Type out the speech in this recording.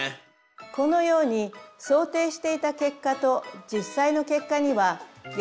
このように想定していた結果と実際の結果にはギャップがあります。